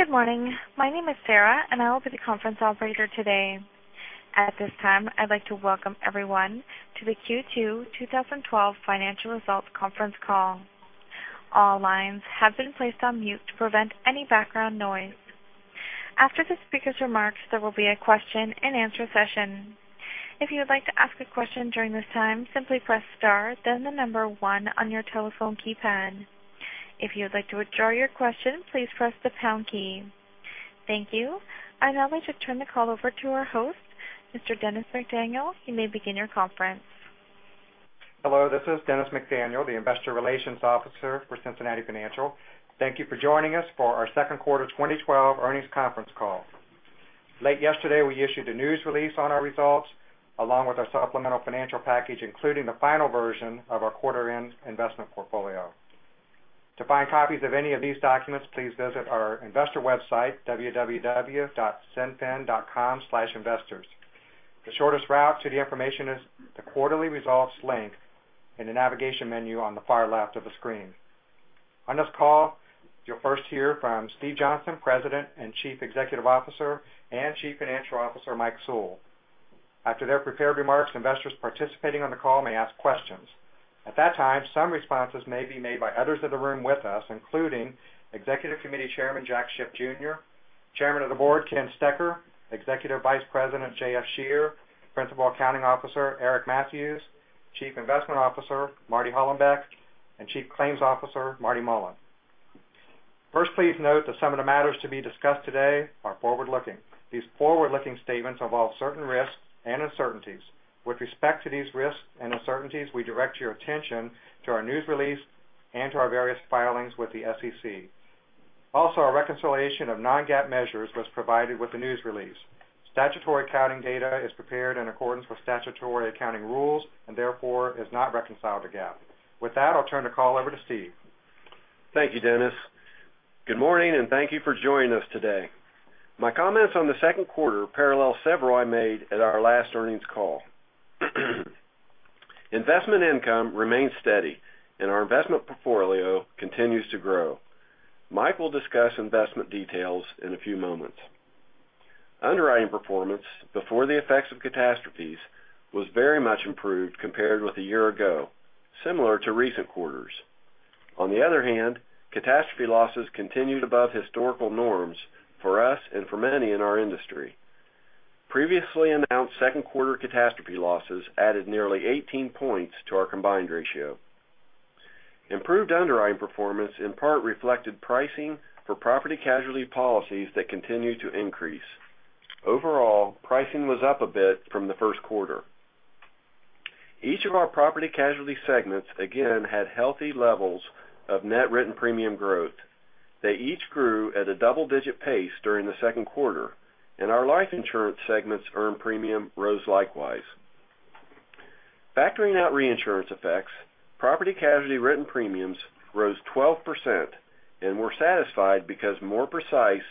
Good morning. My name is Sarah, and I will be the conference operator today. At this time, I'd like to welcome everyone to the Q2 2012 financial results conference call. All lines have been placed on mute to prevent any background noise. After the speaker's remarks, there will be a question and answer session. If you would like to ask a question during this time, simply press star, then the number one on your telephone keypad. If you would like to withdraw your question, please press the pound key. Thank you. I'd now like to turn the call over to our host, Mr. Dennis McDaniel. You may begin your conference. Hello, this is Dennis McDaniel, the Investor Relations Officer for Cincinnati Financial. Thank you for joining us for our second quarter 2012 earnings conference call. Late yesterday, we issued a news release on our results along with our supplemental financial package, including the final version of our quarter-end investment portfolio. To find copies of any of these documents, please visit our investor website, www.cinfin.com/investors. The shortest route to the information is the quarterly results link in the navigation menu on the far left of the screen. On this call, you'll first hear from Steve Johnston, President and Chief Executive Officer, and Chief Financial Officer, Mike Sewell. After their prepared remarks, investors participating on the call may ask questions. At that time, some responses may be made by others in the room with us, including Executive Committee Chairman, Jack Schiff Jr., Chairman of the Board, Ken Stecher, Executive Vice President, J.F. Scherer, Principal Accounting Officer, Eric Mathews, Chief Investment Officer, Marty Hollenbeck, and Chief Claims Officer, Marty Mullen. First, please note that some of the matters to be discussed today are forward-looking. These forward-looking statements involve certain risks and uncertainties. With respect to these risks and uncertainties, we direct your attention to our news release and to our various filings with the SEC. Also, our reconciliation of non-GAAP measures was provided with the news release. Statutory accounting data is prepared in accordance with statutory accounting rules and therefore is not reconciled to GAAP. With that, I'll turn the call over to Steve. Thank you, Dennis. Good morning, and thank you for joining us today. My comments on the second quarter parallel several I made at our last earnings call. Investment income remains steady, and our investment portfolio continues to grow. Mike will discuss investment details in a few moments. Underwriting performance before the effects of catastrophes was very much improved compared with a year ago, similar to recent quarters. On the other hand, catastrophe losses continued above historical norms for us and for many in our industry. Previously announced second quarter catastrophe losses added nearly 18 points to our combined ratio. Improved underwriting performance in part reflected pricing for property casualty policies that continued to increase. Overall, pricing was up a bit from the first quarter. Each of our property casualty segments again had healthy levels of net written premium growth. They each grew at a double-digit pace during the second quarter, and our life insurance segment's earned premium rose likewise. Factoring out reinsurance effects, property casualty written premiums rose 12% and were satisfied because more precise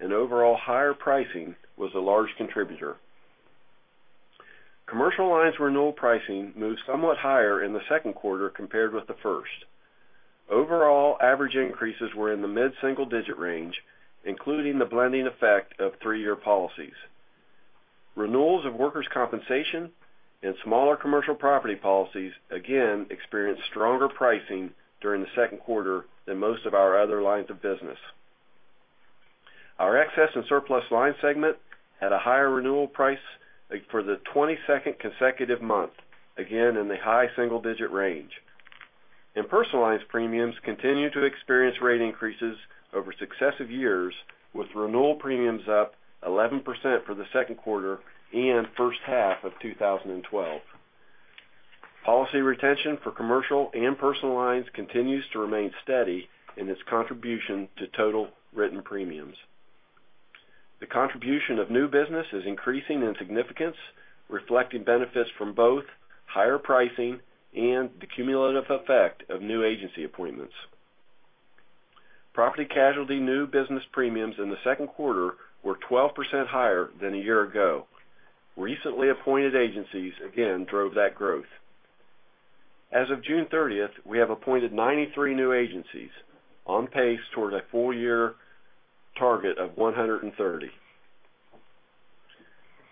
and overall higher pricing was a large contributor. Commercial lines renewal pricing moved somewhat higher in the second quarter compared with the first. Overall average increases were in the mid-single digit range, including the blending effect of three-year policies. Renewals of workers' compensation and smaller commercial property policies again experienced stronger pricing during the second quarter than most of our other lines of business. Our excess and surplus lines segment had a higher renewal price for the 22nd consecutive month, again in the high single-digit range. In personal lines, premiums continued to experience rate increases over successive years, with renewal premiums up 11% for the second quarter and first half of 2012. Policy retention for commercial and personal lines continues to remain steady in its contribution to total written premiums. The contribution of new business is increasing in significance, reflecting benefits from both higher pricing and the cumulative effect of new agency appointments. Property casualty new business premiums in the second quarter were 12% higher than a year ago. Recently appointed agencies again drove that growth. As of June 30th, we have appointed 93 new agencies, on pace towards a full year target of 130.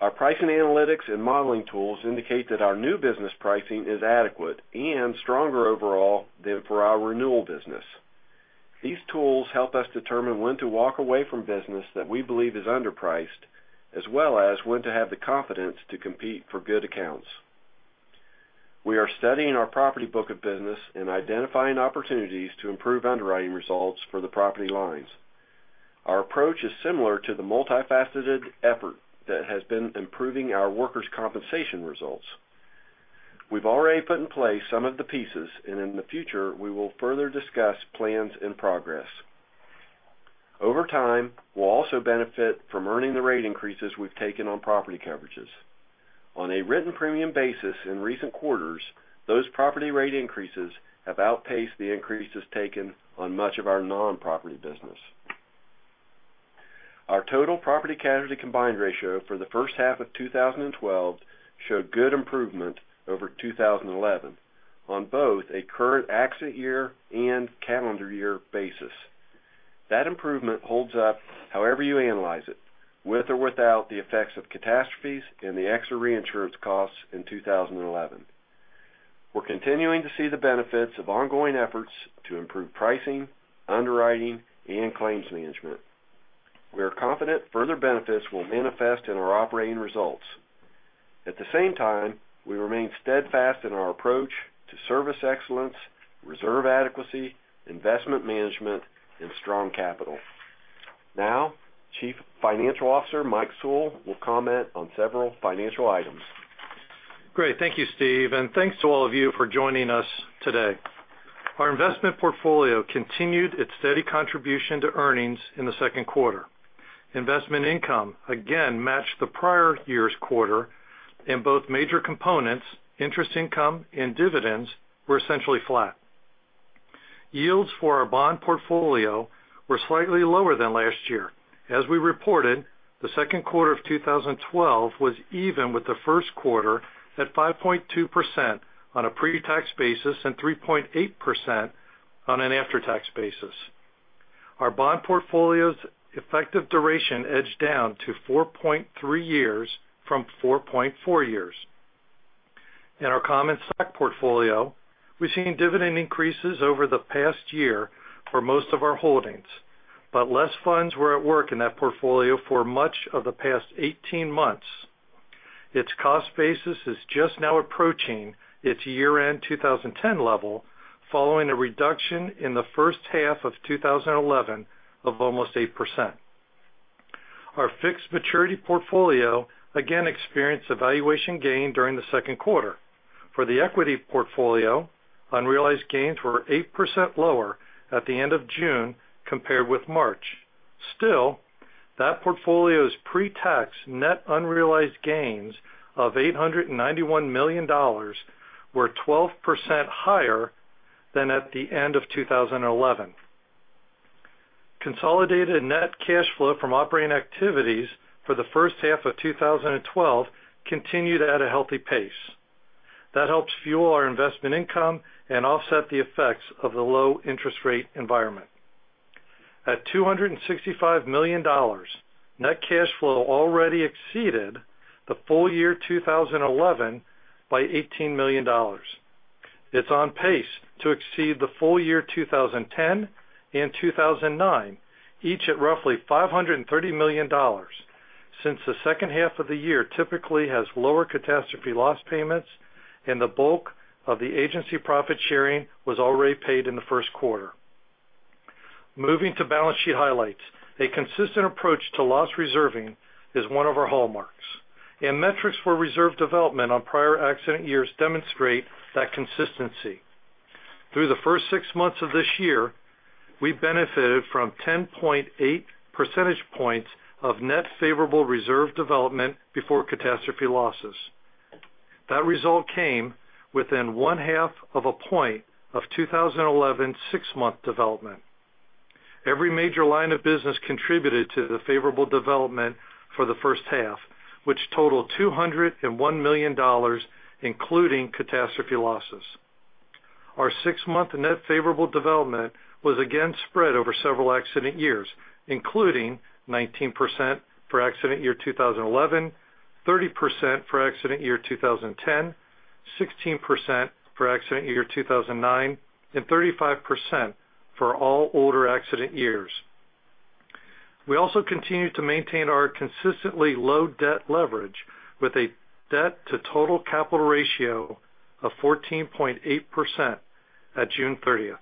Our pricing analytics and modeling tools indicate that our new business pricing is adequate and stronger overall than for our renewal business. These tools help us determine when to walk away from business that we believe is underpriced, as well as when to have the confidence to compete for good accounts. We are studying our property book of business and identifying opportunities to improve underwriting results for the property lines. Our approach is similar to the multifaceted effort that has been improving our workers' compensation results. We've already put in place some of the pieces, and in the future, we will further discuss plans and progress. Over time, we'll also benefit from earning the rate increases we've taken on property coverages. On a written premium basis in recent quarters, those property rate increases have outpaced the increases taken on much of our non-property business. Our total property casualty combined ratio for the first half of 2012 showed good improvement over 2011 on both a current accident year and calendar year basis. That improvement holds up however you analyze it, with or without the effects of catastrophes and the extra reinsurance costs in 2011. We're continuing to see the benefits of ongoing efforts to improve pricing, underwriting, and claims management. We are confident further benefits will manifest in our operating results. At the same time, we remain steadfast in our approach to service excellence, reserve adequacy, investment management, and strong capital. Now, Chief Financial Officer Mike Sewell will comment on several financial items. Great. Thank you, Steve, and thanks to all of you for joining us today. Our investment portfolio continued its steady contribution to earnings in the second quarter. Investment income again matched the prior year's quarter, and both major components, interest income and dividends, were essentially flat. Yields for our bond portfolio were slightly lower than last year. As we reported, the second quarter of 2012 was even with the first quarter at 5.2% on a pre-tax basis and 3.8% on an after-tax basis. Our bond portfolio's effective duration edged down to 4.3 years from 4.4 years. In our common stock portfolio, we've seen dividend increases over the past year for most of our holdings, but less funds were at work in that portfolio for much of the past 18 months. Its cost basis is just now approaching its year-end 2010 level, following a reduction in the first half of 2011 of almost 8%. Our fixed maturity portfolio again experienced a valuation gain during the second quarter. For the equity portfolio, unrealized gains were 8% lower at the end of June compared with March. That portfolio's pretax net unrealized gains of $891 million were 12% higher than at the end of 2011. Consolidated net cash flow from operating activities for the first half of 2012 continued at a healthy pace. That helps fuel our investment income and offset the effects of the low interest rate environment. At $265 million, net cash flow already exceeded the full year 2011 by $18 million. It's on pace to exceed the full year 2010 and 2009, each at roughly $530 million, since the second half of the year typically has lower catastrophe loss payments and the bulk of the agency profit sharing was already paid in the first quarter. Moving to balance sheet highlights, a consistent approach to loss reserving is one of our hallmarks, and metrics for reserve development on prior accident years demonstrate that consistency. Through the first six months of this year, we benefited from 10.8 percentage points of net favorable reserve development before catastrophe losses. That result came within one-half of a point of 2011 six-month development. Every major line of business contributed to the favorable development for the first half, which totaled $201 million, including catastrophe losses. Our six-month net favorable development was again spread over several accident years, including 19% for accident year 2011, 30% for accident year 2010, 16% for accident year 2009, and 35% for all older accident years. We also continue to maintain our consistently low debt leverage with a debt-to-total capital ratio of 14.8% at June 30th.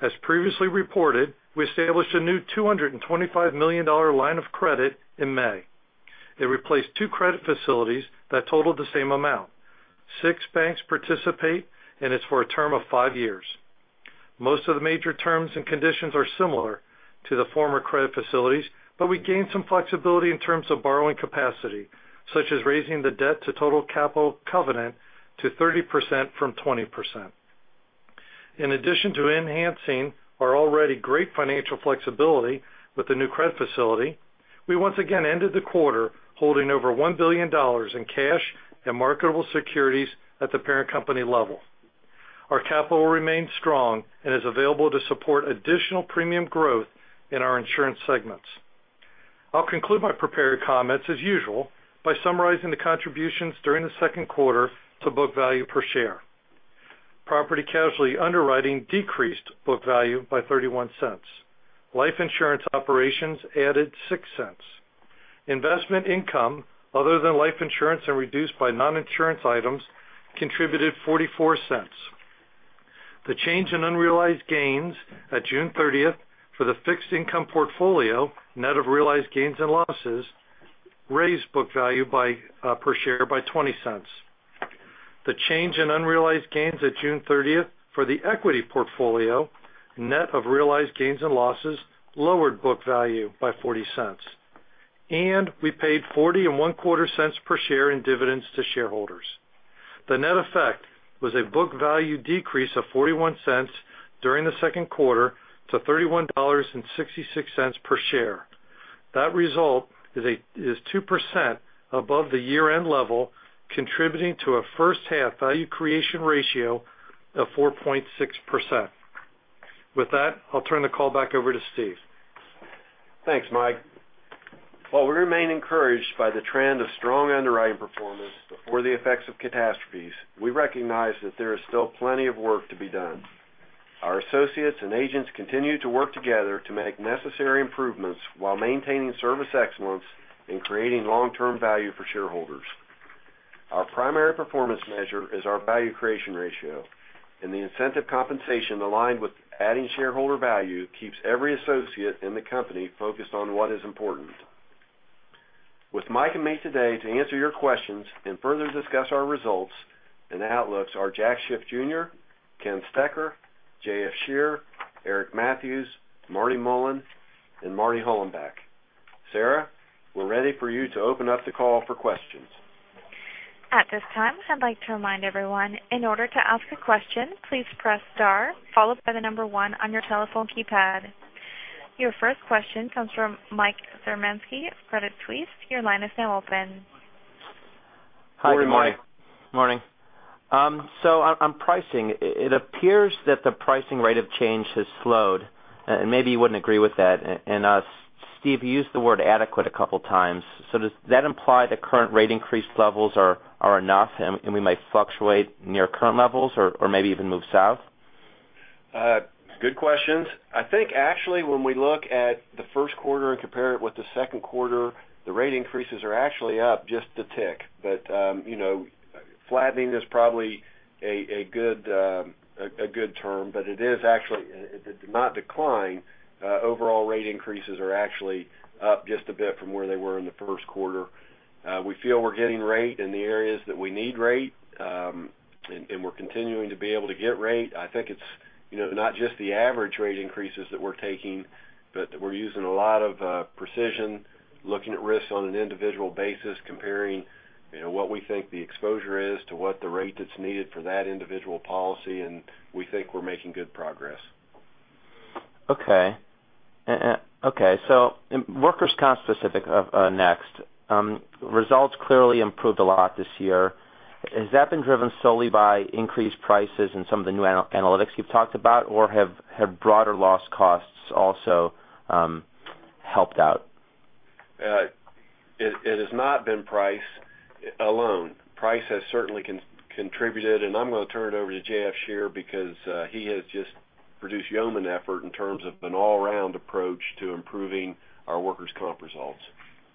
As previously reported, we established a new $225 million line of credit in May. It replaced two credit facilities that totaled the same amount. Six banks participate, and it's for a term of five years. Most of the major terms and conditions are similar to the former credit facilities, but we gained some flexibility in terms of borrowing capacity, such as raising the debt to total capital covenant to 30% from 20%. In addition to enhancing our already great financial flexibility with the new credit facility, we once again ended the quarter holding over $1 billion in cash and marketable securities at the parent company level. Our capital remains strong and is available to support additional premium growth in our insurance segments. I'll conclude my prepared comments as usual by summarizing the contributions during the second quarter to book value per share. Property casualty underwriting decreased book value by $0.31. Life insurance operations added $0.06. Investment income other than life insurance and reduced by non-insurance items contributed $0.44. The change in unrealized gains at June 30th for the fixed income portfolio, net of realized gains and losses, raised book value per share by $0.20. The change in unrealized gains at June 30th for the equity portfolio, net of realized gains and losses, lowered book value by $0.40. We paid 40 and one quarter cents per share in dividends to shareholders. The net effect was a book value decrease of $0.41 during the second quarter to $31.66 per share. That result is 2% above the year-end level, contributing to a first-half value creation ratio of 4.6%. With that, I'll turn the call back over to Steve. Thanks, Mike. While we remain encouraged by the trend of strong underwriting performance before the effects of catastrophes, we recognize that there is still plenty of work to be done. Our associates and agents continue to work together to make necessary improvements while maintaining service excellence in creating long-term value for shareholders. Our primary performance measure is our value creation ratio, the incentive compensation aligned with adding shareholder value keeps every associate in the company focused on what is important. With Mike and me today to answer your questions and further discuss our results and outlooks are Jack Schiff Jr., Ken Stecher, J.F. Scherer, Eric Mathews, Marty Mullen, and Marty Hollenbeck. Sarah, we're ready for you to open up the call for questions. At this time, I'd like to remind everyone, in order to ask a question, please press star followed by the number 1 on your telephone keypad. Your first question comes from Michael Zaremski of Credit Suisse. Your line is now open. Hi, good morning. Morning. Morning. On pricing, it appears that the pricing rate of change has slowed. Maybe you wouldn't agree with that. Steve, you used the word adequate a couple of times. Does that imply the current rate increase levels are enough, and we might fluctuate near current levels or maybe even move south? Good questions. I think actually, when we look at the first quarter and compare it with the second quarter, the rate increases are actually up just a tick. Flattening is probably a good term, but it did not decline. Overall rate increases are actually up just a bit from where they were in the first quarter. We feel we're getting rate in the areas that we need rate. We're continuing to be able to get rate. I think it's not just the average rate increases that we're taking, but we're using a lot of precision, looking at risks on an individual basis, comparing what we think the exposure is to what the rate that's needed for that individual policy, and we think we're making good progress. Okay. Workers' comp specific next. Results clearly improved a lot this year. Has that been driven solely by increased prices and some of the new analytics you've talked about, or have broader loss costs also helped out? It has not been price alone. Price has certainly contributed, and I'm going to turn it over to J.F. Scherer because he has just produced yeoman effort in terms of an all-round approach to improving our workers' comp results.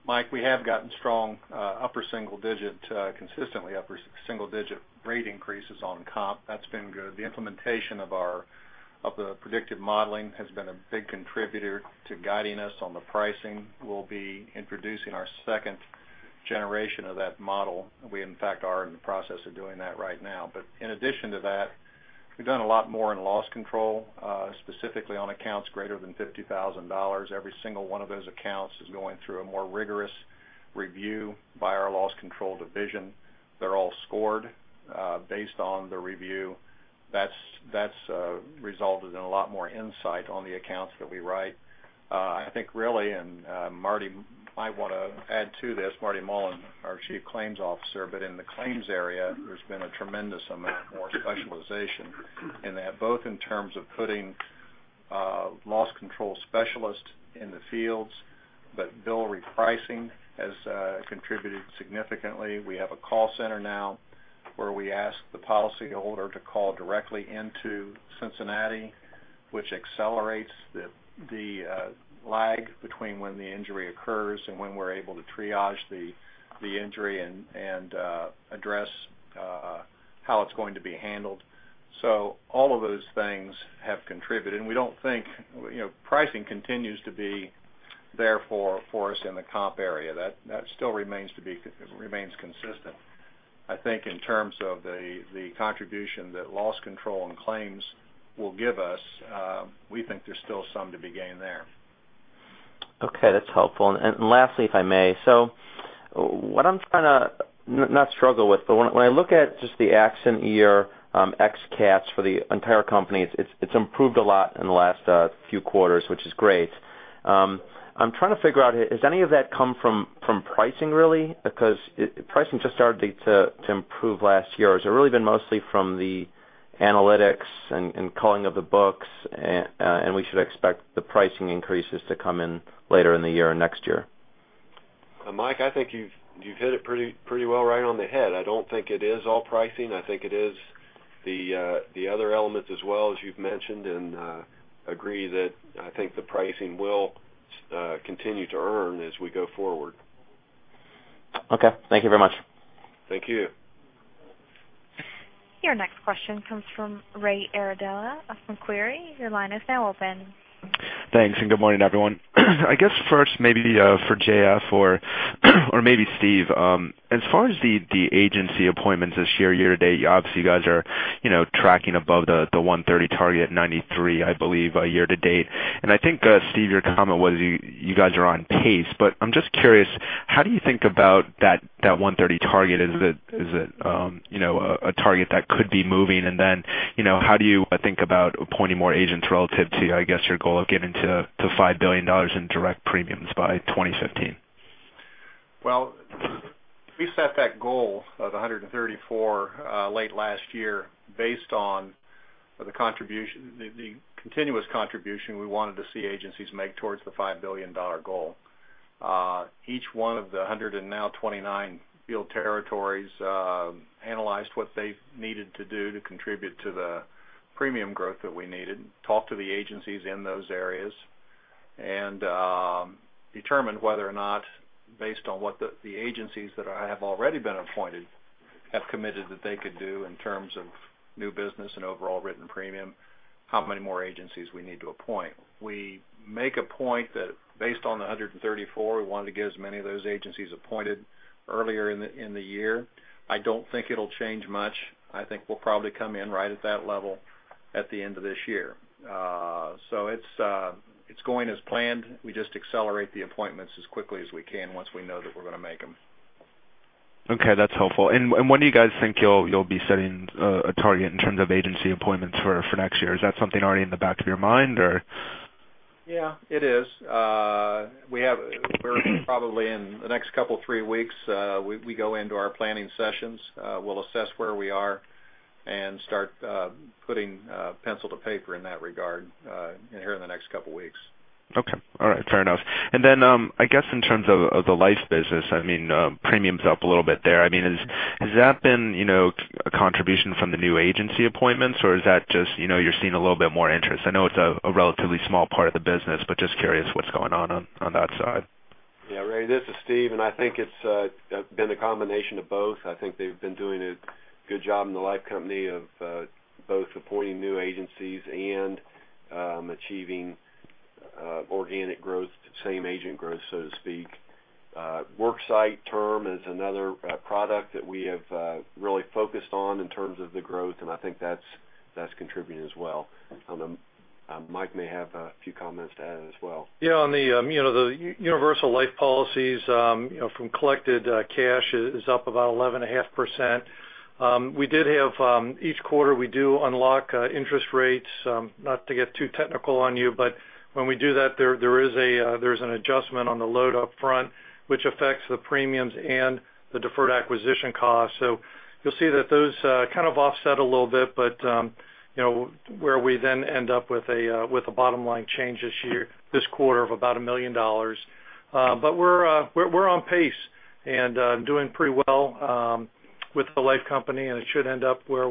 Mike, we have gotten strong, upper single digit, consistently upper single digit rate increases on comp. That's been good. The implementation of the predictive modeling has been a big contributor to guiding us on the pricing. We'll be introducing our second generation of that model. We, in fact, are in the process of doing that right now. In addition to that, we've done a lot more in loss control, specifically on accounts greater than $50,000. Every single one of those accounts is going through a more rigorous review by our loss control division. They're all scored based on the review. That's resulted in a lot more insight on the accounts that we write. I think really, Marty might want to add to this, Marty Mullen, our Chief Claims Officer, in the claims area, there's been a tremendous amount more specialization in that, both in terms of putting loss control specialists in the fields, but bill repricing has contributed significantly. We have a call center now where we ask the policyholder to call directly into Cincinnati, which accelerates the lag between when the injury occurs and when we're able to triage the injury and address how it's going to be handled. All of those things have contributed, and we don't think pricing continues to be there for us in the comp area. That still remains consistent. I think in terms of the contribution that loss control and claims will give us, we think there's still some to be gained there. Okay, that's helpful. Lastly, if I may. What I'm trying to, not struggle with, but when I look at just the accident year ex cats for the entire company, it's improved a lot in the last few quarters, which is great. I'm trying to figure out, has any of that come from pricing really? Because pricing just started to improve last year. Has it really been mostly from the analytics and culling of the books, and we should expect the pricing increases to come in later in the year or next year? Mike, I think you've hit it pretty well right on the head. I don't think it is all pricing. I think it is the other elements as well, as you've mentioned, and agree that I think the pricing will continue to earn as we go forward. Okay. Thank you very much. Thank you. Your next question comes from Raymond Iardella from Macquarie. Your line is now open. Thanks, good morning, everyone. I guess first maybe for J.F. or maybe Steve, as far as the agency appointments this year to date, obviously you guys are tracking above the 130 target, 93, I believe, year to date. I think, Steve, your comment was you guys are on pace. I'm just curious, how do you think about that 130 target? Is it a target that could be moving? How do you think about appointing more agents relative to, I guess, your goal of getting to $5 billion in direct premiums by 2015? Well, we set that goal of 134 late last year based on the continuous contribution we wanted to see agencies make towards the $5 billion goal. Each one of the 100, and now 29 field territories, analyzed what they needed to do to contribute to the premium growth that we needed, talked to the agencies in those areas, and determined whether or not, based on what the agencies that have already been appointed have committed that they could do in terms of new business and overall written premium, how many more agencies we need to appoint. We make a point that based on the 134, we wanted to get as many of those agencies appointed earlier in the year. I don't think it'll change much. I think we'll probably come in right at that level at the end of this year. It's going as planned. We just accelerate the appointments as quickly as we can once we know that we're going to make them. Okay, that's helpful. When do you guys think you'll be setting a target in terms of agency appointments for next year? Is that something already in the back of your mind or? Yeah. It is. Probably in the next couple, three weeks, we go into our planning sessions. We'll assess where we are and start putting pencil to paper in that regard here in the next couple of weeks. Okay. All right. Fair enough. Then, I guess in terms of the life business, premiums up a little bit there. Has that been a contribution from the new agency appointments or is that just you're seeing a little bit more interest? I know it's a relatively small part of the business, but just curious what's going on that side. Yeah. Ray, this is Steve, I think it's been a combination of both. I think they've been doing a good job in the life company of both appointing new agencies and achieving organic growth, same agent growth, so to speak. worksite term is another product that we have really focused on in terms of the growth, I think that's contributing as well. Mike may have a few comments to add as well. Yeah, on the universal life policies from collected cash is up about 11.5%. Each quarter, we do unlock interest rates. Not to get too technical on you, but when we do that, there's an adjustment on the load up front, which affects the premiums and the deferred acquisition cost. You'll see that those kind of offset a little bit, but where we then end up with a bottom-line change this quarter of about $1 million. We're on pace and doing pretty well with the life company, it should end up where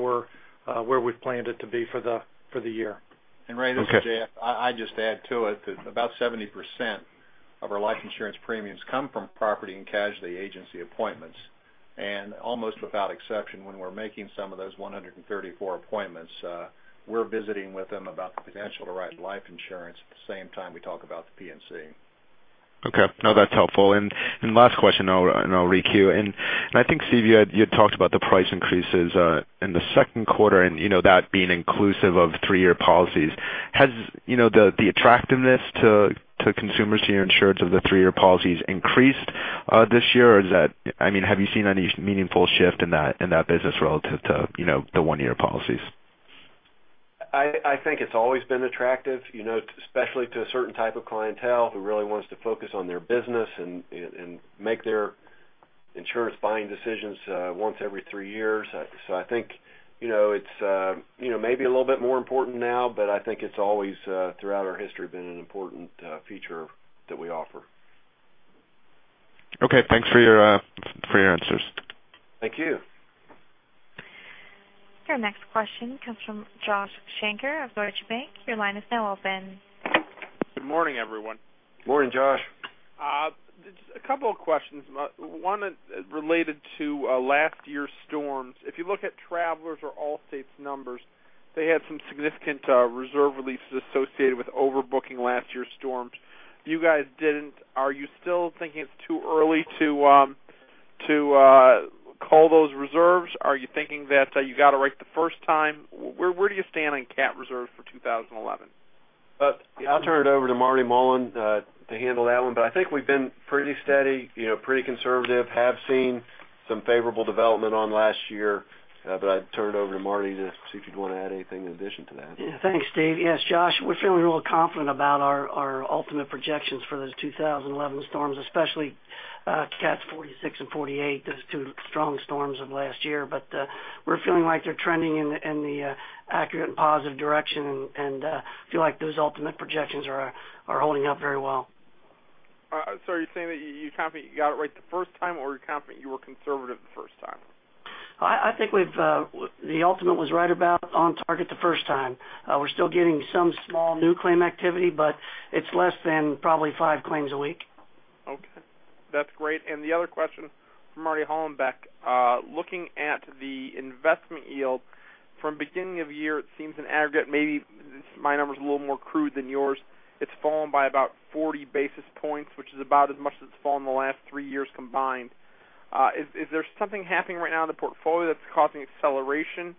we've planned it to be for the year. Okay. Ray, this is J.F. I'd just add to it that about 70% of our life insurance premiums come from property and casualty agency appointments. Almost without exception, when we're making some of those 134 appointments, we're visiting with them about the potential to write life insurance at the same time we talk about the P&C. Okay. No, that's helpful. Last question. I'll re-queue. I think, Steve, you had talked about the price increases in the second quarter and that being inclusive of three-year policies. Has the attractiveness to consumers to your insurance of the three-year policies increased this year? Have you seen any meaningful shift in that business relative to the one-year policies? I think it's always been attractive, especially to a certain type of clientele who really wants to focus on their business and make their insurance buying decisions once every three years. I think it's maybe a little bit more important now, I think it's always, throughout our history, been an important feature that we offer. Okay. Thanks for your answers. Thank you. Your next question comes from Joshua Shanker of Deutsche Bank. Your line is now open. Good morning, everyone. Morning, Josh. Just a couple of questions. One related to last year's storms. If you look at Travelers or Allstate's numbers, they had some significant reserve releases associated with overbooking last year's storms. You guys didn't. Are you still thinking it's too early to call those reserves? Are you thinking that you got it right the first time? Where do you stand on cat reserves for 2011? I'll turn it over to Marty Mullen to handle that one. I think we've been pretty steady, pretty conservative, have seen some favorable development on last year. I'd turn it over to Marty to see if you'd want to add anything in addition to that. Yeah. Thanks, Steve. Yes, Josh, we're feeling real confident about our ultimate projections for those 2011 storms, especially cats 46 and 48. Those are two strong storms of last year. We're feeling like they're trending in the accurate and positive direction and feel like those ultimate projections are holding up very well. Are you saying that you're confident you got it right the first time, or are you confident you were conservative the first time? I think the ultimate was right about on target the first time. We're still getting some small new claim activity. It's less than probably five claims a week. Okay. That's great. The other question for Marty Hollenbeck. Looking at the investment yield from beginning of year, it seems in aggregate maybe My number is a little more crude than yours. It's fallen by about 40 basis points, which is about as much as it's fallen in the last three years combined. Is there something happening right now in the portfolio that's causing acceleration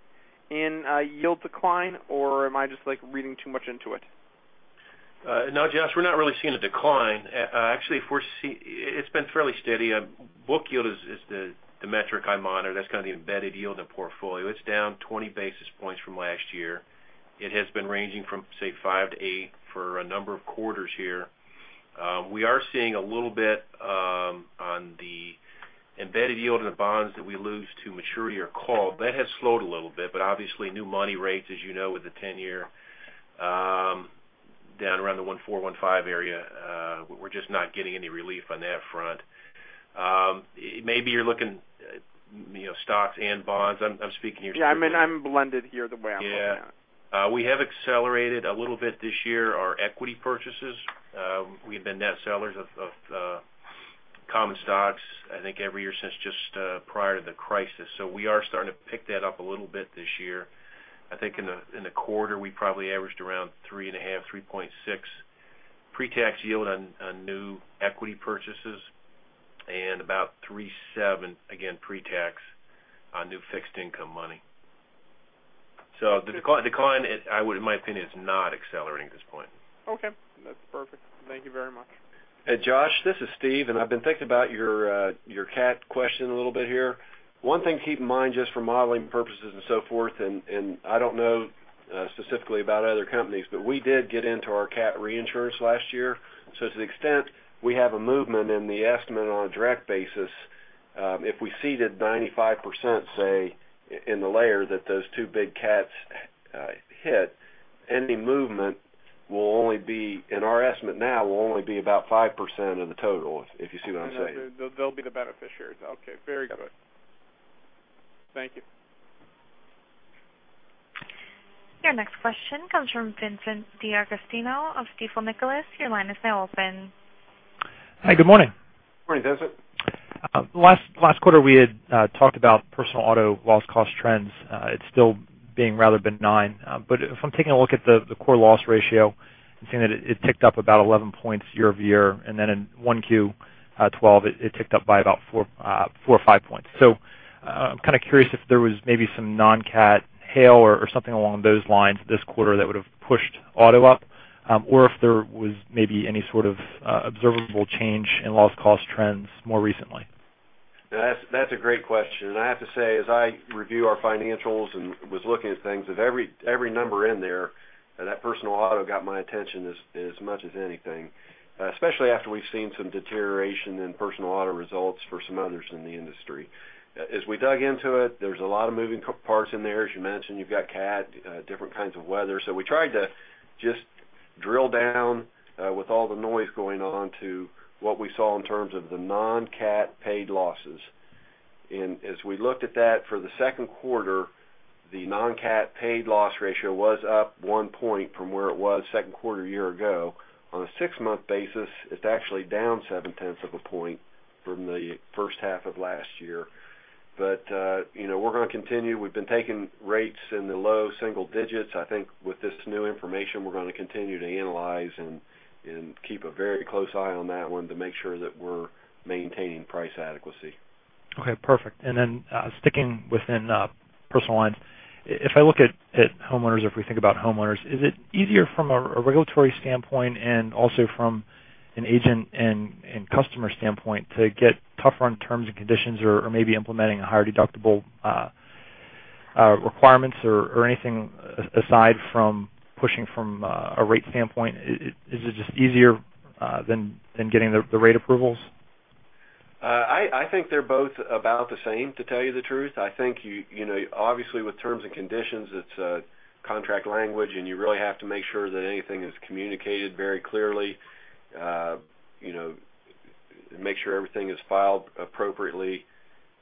in yield decline, or am I just reading too much into it? No, Josh, we're not really seeing a decline. It's been fairly steady. Book yield is the metric I monitor. That's kind of the embedded yield in the portfolio. It's down 20 basis points from last year. It has been ranging from, say, five to eight for a number of quarters here. We are seeing a little bit on the embedded yield on the bonds that we lose to maturity or call. That has slowed a little bit. New money rates, as you know, with the 10-year down around the 1.4, 1.5 area. We're just not getting any relief on that front. Maybe you're looking stocks and bonds. I'm speaking here. I'm blended here the way I'm looking at it. Yeah. We have accelerated a little bit this year our equity purchases. We have been net sellers of common stocks, I think, every year since just prior to the crisis. We are starting to pick that up a little bit this year. I think in the quarter, we probably averaged around 3.5, 3.6 pre-tax yield on new equity purchases and about 3.7, again, pre-tax on new fixed income money. The decline, in my opinion, is not accelerating at this point. Okay. That's perfect. Thank you very much. Hey, Josh, this is Steve. I've been thinking about your cat question a little bit here. One thing to keep in mind just for modeling purposes and so forth, and I don't know specifically about other companies, but we did get into our cat reinsurance last year. To the extent we have a movement in the estimate on a direct basis, if we ceded 95%, say, in the layer that those two big cats hit, any movement will only be, in our estimate now, will only be about 5% of the total, if you see what I'm saying. They'll be the beneficiaries. Okay, very good. You got it. Thank you. Your next question comes from Vincent D'Agostino of Stifel Nicolaus. Your line is now open. Hi, good morning. Morning, Vincent. Last quarter, we had talked about personal auto loss cost trends. It's still being rather benign. If I'm taking a look at the core loss ratio and seeing that it ticked up about 11 points year-over-year, in 1Q 2012, it ticked up by about four or five points. I'm kind of curious if there was maybe some non-cat hail or something along those lines this quarter that would have pushed auto up, or if there was maybe any sort of observable change in loss cost trends more recently. That's a great question. I have to say, as I review our financials and was looking at things, of every number in there, that personal auto got my attention as much as anything. Especially after we've seen some deterioration in personal auto results for some others in the industry. We dug into it, there was a lot of moving parts in there. You mentioned, you've got cat, different kinds of weather. We tried to just drill down with all the noise going on to what we saw in terms of the non-cat paid losses. As we looked at that for the second quarter, the non-cat paid loss ratio was up one point from where it was second quarter a year ago. On a six-month basis, it's actually down seven-tenths of a point from the first half of last year. We're going to continue. We've been taking rates in the low single digits. I think with this new information, we're going to continue to analyze and keep a very close eye on that one to make sure that we're maintaining price adequacy. Okay, perfect. Sticking within personal lines, if I look at homeowners or if we think about homeowners, is it easier from a regulatory standpoint and also from an agent and customer standpoint to get tougher on terms and conditions or maybe implementing higher deductible requirements or anything aside from pushing from a rate standpoint? Is it just easier than getting the rate approvals? I think they're both about the same, to tell you the truth. I think obviously with terms and conditions, it's contract language, you really have to make sure that anything is communicated very clearly. Make sure everything is filed appropriately.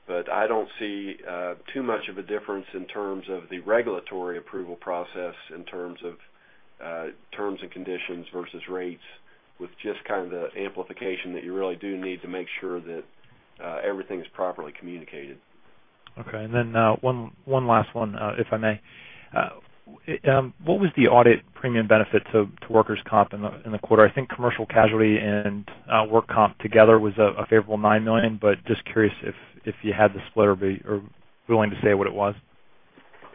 I don't see too much of a difference in terms of the regulatory approval process in terms of terms and conditions versus rates with just kind of the amplification that you really do need to make sure that everything's properly communicated. Okay. One last one, if I may. What was the audit premium benefit to workers' comp in the quarter? I think commercial casualty and work comp together was a favorable $9 million, just curious if you had the split or willing to say what it was.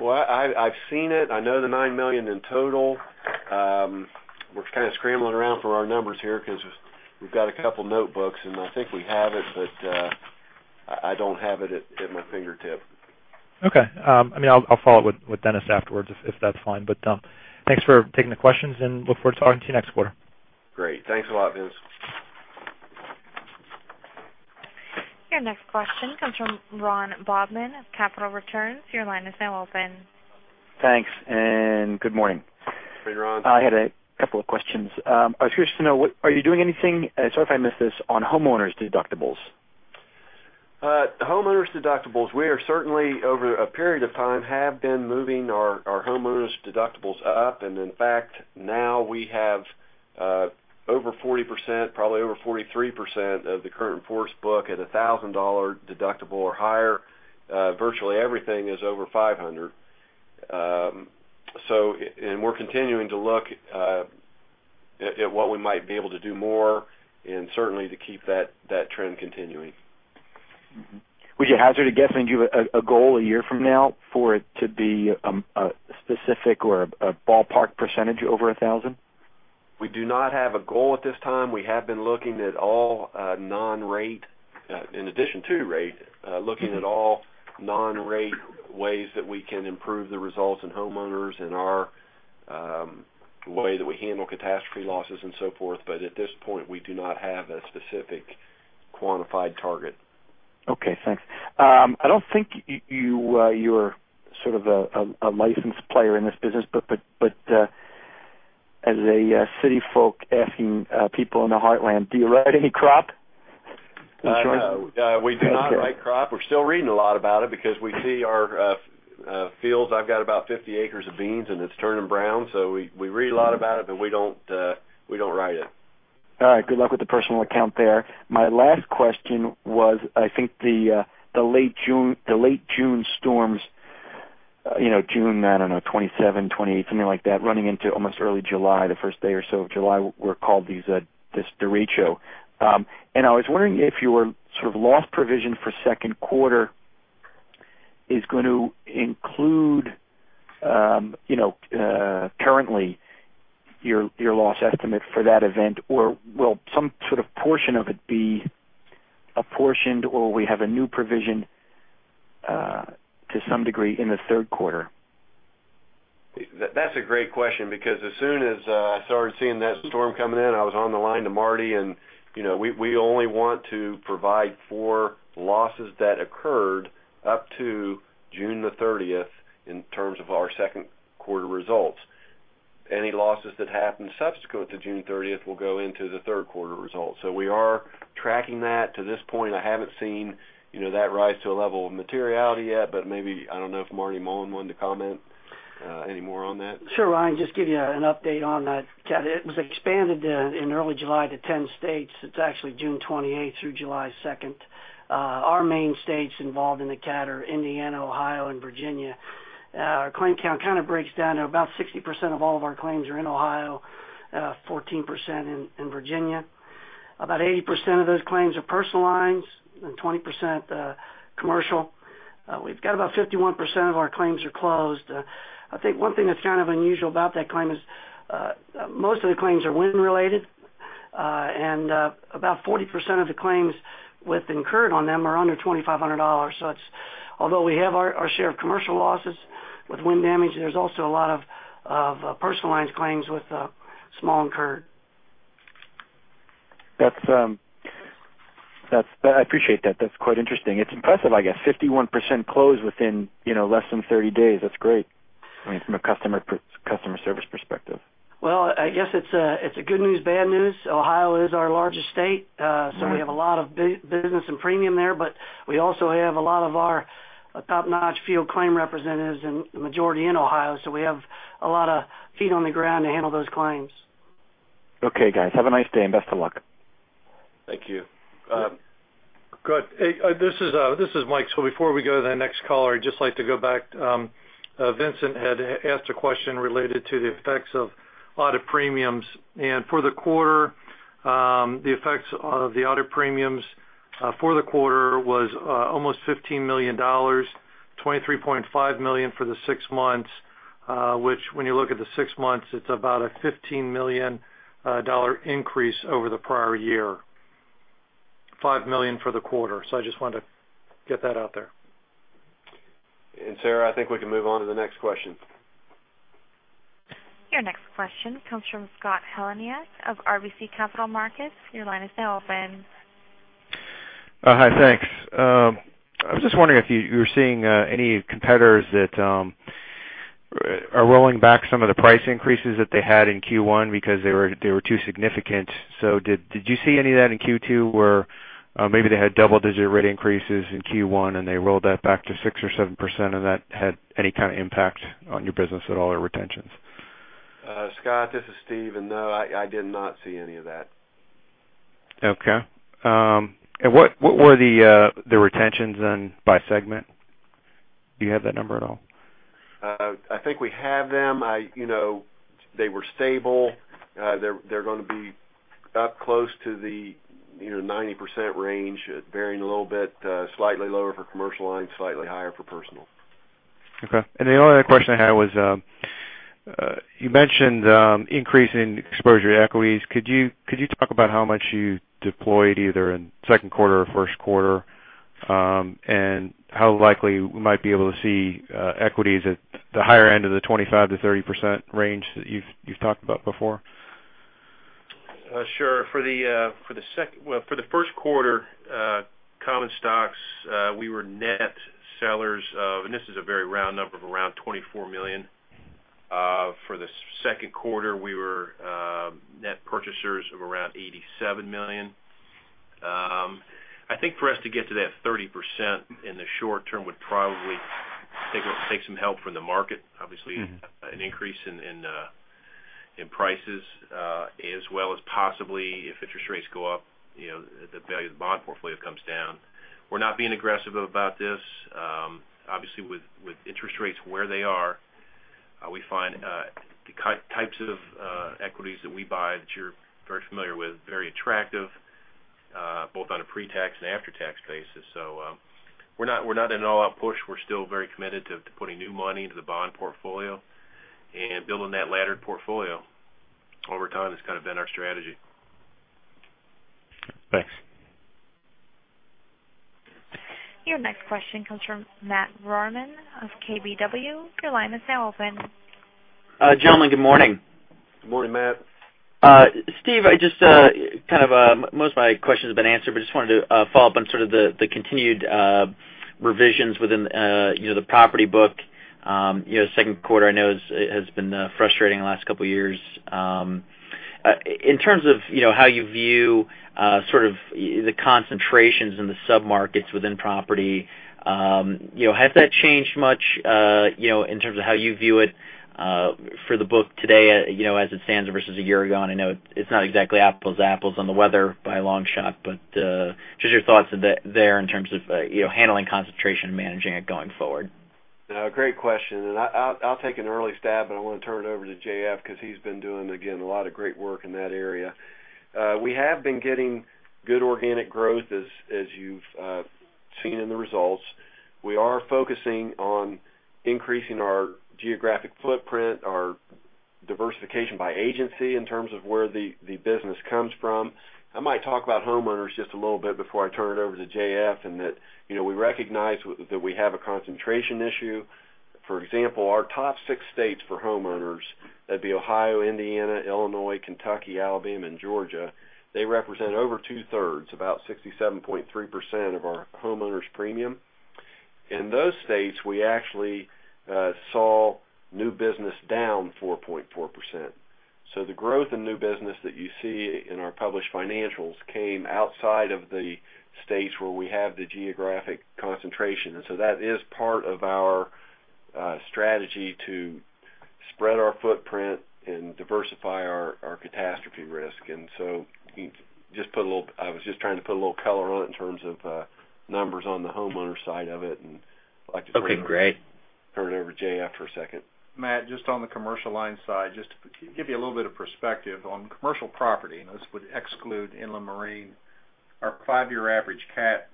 Well, I've seen it. I know the $9 million in total. We're kind of scrambling around for our numbers here because we've got a couple notebooks, and I think we have it, but I don't have it at my fingertip. Okay. I'll follow up with Dennis afterwards if that's fine. Thanks for taking the questions and look forward to talking to you next quarter. Great. Thanks a lot, Vince. Your next question comes from Ron Bobman of Capital Returns. Your line is now open. Thanks. Good morning. Good morning, Ron. I had a couple of questions. I was curious to know, are you doing anything, sorry if I missed this, on homeowners deductibles? The homeowners deductibles, we are certainly over a period of time have been moving our homeowners deductibles up, and in fact, now we have over 40%, probably over 43% of the current force book at $1,000 deductible or higher. Virtually everything is over 500. We're continuing to look at what we might be able to do more and certainly to keep that trend continuing. Mm-hmm. Would you hazard a guess and give a goal a year from now for it to be a specific or a ballpark percentage over 1,000? We do not have a goal at this time. We have been looking at all non-rate, in addition to rate, looking at all non-rate ways that we can improve the results in homeowners and our way that we handle catastrophe losses and so forth. At this point, we do not have a specific quantified target. Okay, thanks. I don't think you're sort of a licensed player in this business, as a city folk asking people in the heartland, do you write any crop insurance? We do not write crop. We're still reading a lot about it because we see our fields. I've got about 50 acres of beans, and it's turning brown. We read a lot about it, we don't write it. All right. Good luck with the personal account there. My last question was, I think the late June storms, June, I don't know, 27, 28, something like that, running into almost early July, the first day or so of July, were called this derecho. I was wondering if your sort of loss provision for second quarter is going to include currently your loss estimate for that event or will some sort of portion of it be apportioned or we have a new provision to some degree in the third quarter? That's a great question because as soon as I started seeing that storm coming in, I was on the line to Marty, and we only want to provide for losses that occurred up to June 30th in terms of our second quarter results. Any losses that happened subsequent to June 30th will go into the third quarter results. We are tracking that. To this point, I haven't seen that rise to a level of materiality yet, but maybe, I don't know if Marty Mullen wanted to comment any more on that. Sure, Ron, just give you an update on that cat. It was expanded in early July to 10 states. It's actually June 28th through July 2nd. Our main states involved in the cat are Indiana, Ohio, and Virginia. Our claim count kind of breaks down to about 60% of all of our claims are in Ohio, 14% in Virginia. About 80% of those claims are personal lines and 20% commercial. We've got about 51% of our claims are closed. I think one thing that's kind of unusual about that claim is most of the claims are wind related, and about 40% of the claims with incurred on them are under $2,500. Although we have our share of commercial losses with wind damage, there's also a lot of personal lines claims with small incurred. I appreciate that. That's quite interesting. It's impressive, I guess 51% closed within less than 30 days. That's great. I mean, from a customer service perspective. Well, I guess it's a good news, bad news. Ohio is our largest state. We have a lot of business and premium there, but we also have a lot of our top-notch field claim representatives and the majority in Ohio. We have a lot of feet on the ground to handle those claims. Okay, guys. Have a nice day and best of luck. Thank you. Good. This is Mike. Before we go to the next caller, I'd just like to go back. Vincent had asked a question related to the effects of audit premiums. For the quarter, the effects of the audit premiums for the quarter was almost $15 million, $23.5 million for the six months. Which when you look at the six months, it's about a $15 million increase over the prior year, $5 million for the quarter. I just wanted to get that out there. Sarah, I think we can move on to the next question. Your next question comes from Scott Heleniak of RBC Capital Markets. Your line is now open. Hi. Thanks. I was just wondering if you're seeing any competitors that are rolling back some of the price increases that they had in Q1 because they were too significant. Did you see any of that in Q2 where maybe they had double-digit rate increases in Q1 and they rolled that back to 6% or 7% and that had any kind of impact on your business at all or retentions? Scott, this is Steve, and no, I did not see any of that. Okay. What were the retentions by segment? Do you have that number at all? I think we have them. They were stable. They're going to be up close to the 90% range, varying a little bit, slightly lower for commercial lines, slightly higher for personal. Okay. The only other question I had was, you mentioned increase in exposure to equities. Could you talk about how much you deployed either in second quarter or first quarter? How likely we might be able to see equities at the higher end of the 25%-30% range that you've talked about before? Sure. For the first quarter, common stocks we were net sellers of, this is a very round number, of around $24 million. For the second quarter, we were net purchasers of around $87 million. I think for us to get to that 30% in the short term would probably take some help from the market. Obviously, an increase in prices, as well as possibly if interest rates go up, the value of the bond portfolio comes down. We're not being aggressive about this. Obviously, with interest rates where they are, we find the types of equities that we buy, that you're very familiar with, very attractive both on a pre-tax and after-tax basis. We're not in an all-out push. We're still very committed to putting new money into the bond portfolio and building that laddered portfolio over time has kind of been our strategy. Thanks. Your next question comes from Matt Rohrmann of KBW. Your line is now open. Gentlemen, good morning. Good morning, Matt. Steve, most of my questions have been answered. Just wanted to follow up on sort of the continued revisions within the property book. Second quarter, I know has been frustrating the last couple of years. In terms of how you view sort of the concentrations in the sub-markets within property, has that changed much, in terms of how you view it for the book today as it stands versus a year ago? I know it's not exactly apples to apples on the weather by a long shot, just your thoughts there in terms of handling concentration and managing it going forward. Great question. I'll take an early stab, but I want to turn it over to JF because he's been doing, again, a lot of great work in that area. We have been getting good organic growth as you've seen in the results. We are focusing on increasing our geographic footprint, our diversification by agency in terms of where the business comes from. I might talk about homeowners just a little bit before I turn it over to JF, and that we recognize that we have a concentration issue. For example, our top six states for homeowners, that'd be Ohio, Indiana, Illinois, Kentucky, Alabama, and Georgia. They represent over two-thirds, about 67.3% of our homeowners premium. In those states, we actually saw new business down 4.4%. The growth in new business that you see in our published financials came outside of the states where we have the geographic concentration. That is part of our strategy to spread our footprint and diversify our catastrophe risk. I was just trying to put a little color on it in terms of numbers on the homeowner side of it and I'd like to turn it over to JF. Okay, great I'll turn it over to JF for a second. Matt, just on the commercial lines side, just to give you a little bit of perspective on commercial property, and this would exclude inland marine. Our five-year average cat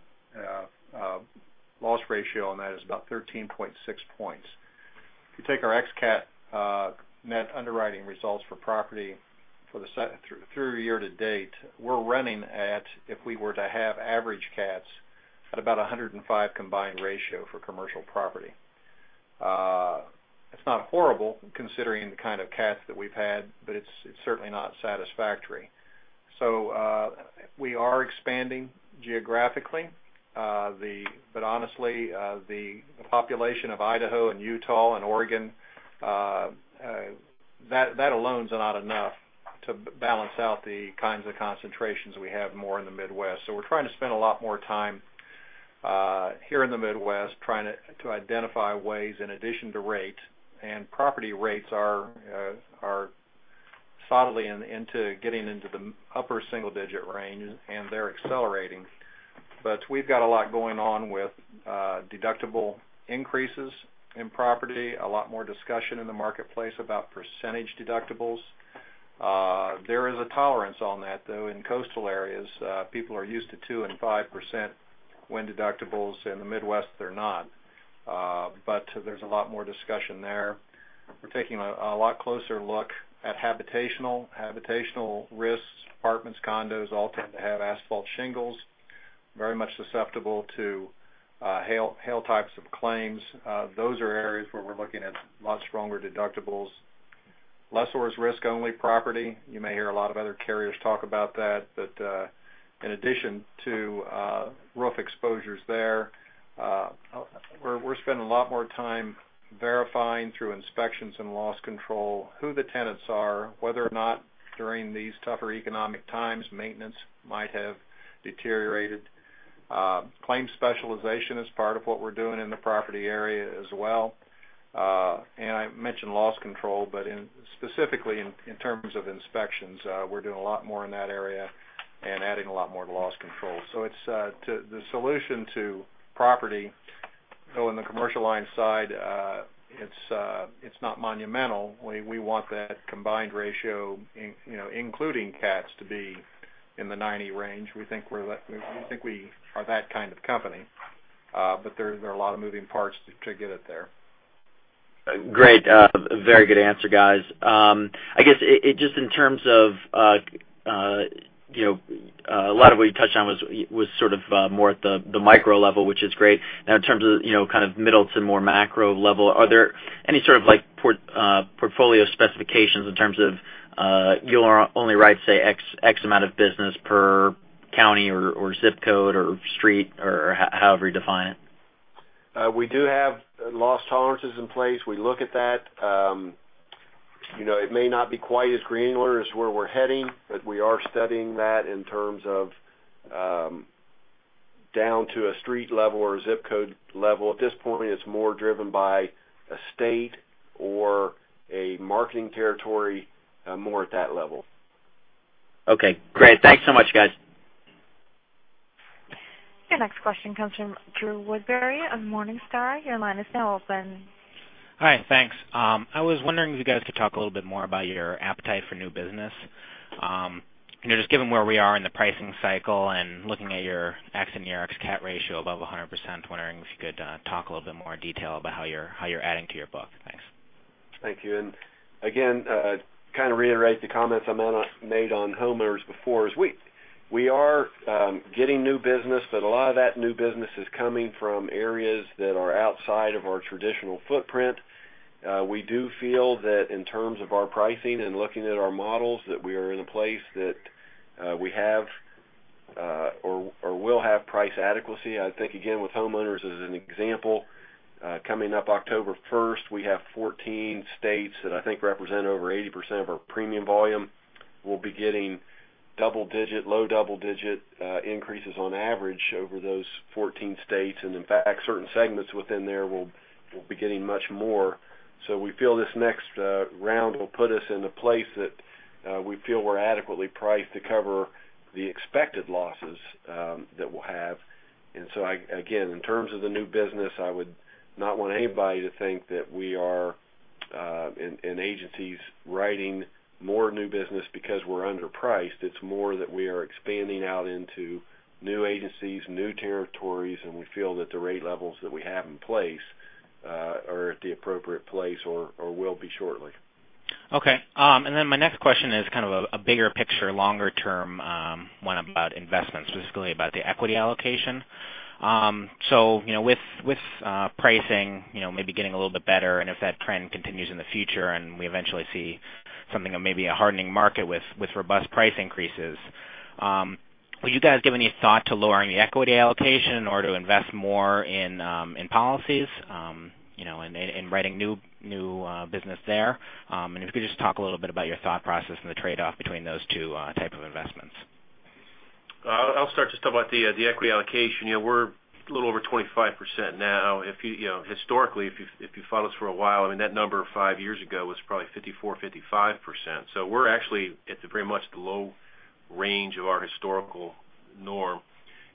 loss ratio on that is about 13.6 points. If you take our ex cat net underwriting results for property through year-to-date, we're running at, if we were to have average cats, at about 105 combined ratio for commercial property. It's not horrible considering the kind of cats that we've had, but it's certainly not satisfactory. We are expanding geographically. Honestly, the population of Idaho and Utah and Oregon, that alone is not enough to balance out the kinds of concentrations we have more in the Midwest. We're trying to spend a lot more time here in the Midwest trying to identify ways in addition to rate, and property rates are solidly into getting into the upper single-digit range, and they're accelerating. We've got a lot going on with deductible increases in property, a lot more discussion in the marketplace about percentage deductibles. There is a tolerance on that, though, in coastal areas. People are used to 2% and 5% wind deductibles. In the Midwest, they're not. There's a lot more discussion there. We're taking a lot closer look at habitational risks. Apartments, condos, all tend to have asphalt shingles, very much susceptible to hail types of claims. Those are areas where we're looking at much stronger deductibles. Lessors risk only property. You may hear a lot of other carriers talk about that. In addition to roof exposures there, we're spending a lot more time verifying through inspections and loss control who the tenants are, whether or not during these tougher economic times, maintenance might have deteriorated. Claim specialization is part of what we're doing in the property area as well. I mentioned loss control, specifically in terms of inspections, we're doing a lot more in that area and adding a lot more to loss control. The solution to property on the commercial lines side, it's not monumental. We want that combined ratio including cats to be in the 90 range. We think we are that kind of company. There are a lot of moving parts to get it there. Great. Very good answer, guys. I guess just in terms of a lot of what you touched on was sort of more at the micro level, which is great. In terms of kind of middle to more macro level, are there any sort of portfolio specifications in terms of you'll only write, say, X amount of business per county or zip code or street or however you define it? We do have loss tolerances in place. We look at that. It may not be quite as granular as where we're heading, but we are studying that in terms of down to a street level or a zip code level. At this point, it's more driven by a state or a marketing territory, more at that level. Okay, great. Thanks so much, guys. Your next question comes from Drew Woodbury of Morningstar. Your line is now open. Hi. Thanks. I was wondering if you guys could talk a little bit more about your appetite for new business. Just given where we are in the pricing cycle and looking at your accident year ex-cat loss ratio above 100%, wondering if you could talk a little bit more detail about how you're adding to your book. Thanks. Thank you. Again, kind of reiterate the comments Amanda made on homeowners before, is we are getting new business, but a lot of that new business is coming from areas that are outside of our traditional footprint. We do feel that in terms of our pricing and looking at our models, that we are in a place that we have or will have price adequacy. I think, again, with homeowners as an example coming up October 1st, we have 14 states that I think represent over 80% of our premium volume. We'll be getting low double-digit increases on average over those 14 states. In fact, certain segments within there will be getting much more. We feel this next round will put us in a place that we feel we're adequately priced to cover the expected losses that we'll have. Again, in terms of the new business, I would not want anybody to think that we are an agency writing more new business because we're underpriced. It's more that we are expanding out into new agencies, new territories, we feel that the rate levels that we have in place are at the appropriate place or will be shortly. Okay. My next question is kind of a bigger picture, longer term one about investments, specifically about the equity allocation. With pricing maybe getting a little bit better, if that trend continues in the future and we eventually see something of maybe a hardening market with robust price increases, will you guys give any thought to lowering the equity allocation or to invest more in policies and writing new business there? If you could just talk a little bit about your thought process and the trade-off between those two types of investments. I'll start. Just talk about the equity allocation. We're a little over 25% now. Historically, if you've followed us for a while, that number five years ago was probably 54%, 55%. We're actually at the very much the low range of our historical norm.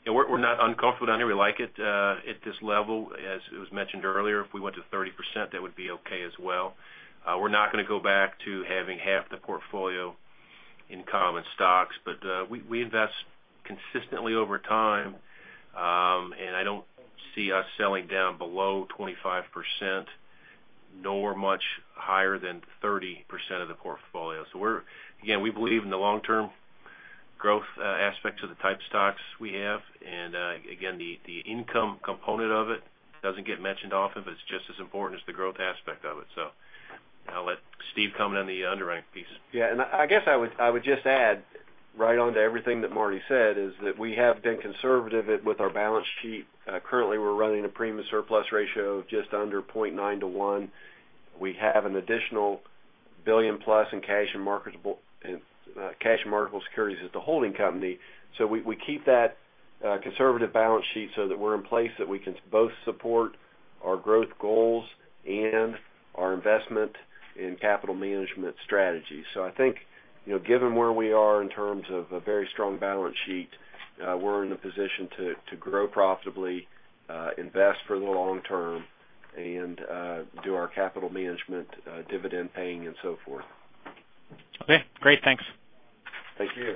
We're not uncomfortable down here. We like it at this level. As was mentioned earlier, if we went to 30%, that would be okay as well. We're not going to go back to having half the portfolio in common stocks. We invest consistently over time. I don't see us selling down below 25% nor much higher than 30% of the portfolio. Again, we believe in the long-term growth aspects of the type stocks we have. Again, the income component of it doesn't get mentioned often, it's just as important as the growth aspect of it. I'll let Steve comment on the underwriting piece. I guess I would just add right onto everything that Marty said, is that we have been conservative with our balance sheet. Currently, we're running a premium to surplus ratio of just under 0.9 to 1. We have an additional billion-plus in cash and marketable securities at the holding company. We keep that conservative balance sheet so that we're in a place that we can both support our growth goals and our investment in capital management strategy. I think given where we are in terms of a very strong balance sheet, we're in a position to grow profitably, invest for the long term, and do our capital management dividend paying and so forth. Okay, great. Thanks. Thank you.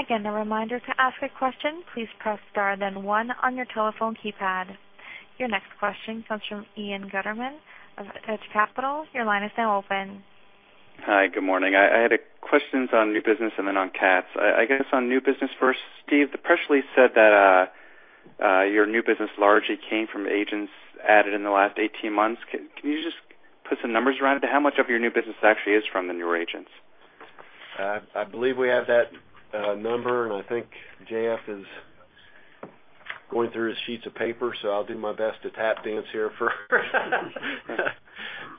Again, a reminder to ask a question, please press star then 1 on your telephone keypad. Your next question comes from Ian Gutterman of Touch Capital. Your line is now open. Hi, good morning. I had questions on new business and then on cats. I guess on new business first. Steve, the press release said that your new business largely came from agents added in the last 18 months. Can you just put some numbers around it? How much of your new business actually is from the newer agents? I believe we have that number. I think JF is going through his sheets of paper. I'll do my best to tap dance here for.